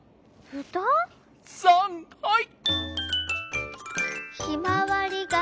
さんはい！